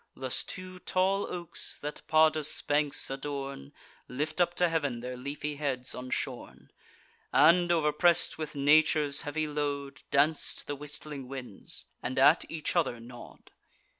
Thus two tall oaks, that Padus' banks adorn, Lift up to heav'n their leafy heads unshorn, And, overpress'd with nature's heavy load, Dance to the whistling winds, and at each other nod.